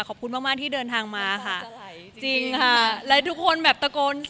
รูปตัวเองก่อน